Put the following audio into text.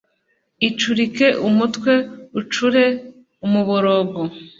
ucurike umutwe ucure umuborogo.